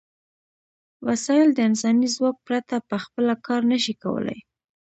وسایل د انساني ځواک پرته په خپله کار نشي کولای.